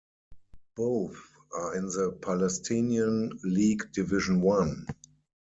Both are in the Palestinian League Division One.